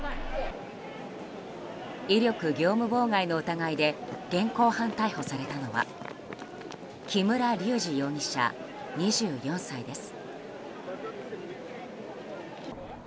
威力業務妨害の疑いで現行犯逮捕されたのは木村隆二容疑者、２４歳です。